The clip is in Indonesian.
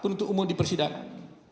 untuk umum di persidangan